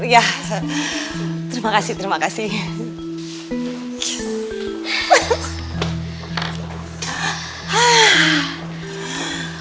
ya terima kasih terima kasih